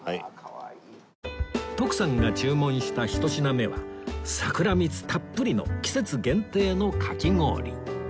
徳さんが注文した１品目はさくら蜜たっぷりの季節限定のかき氷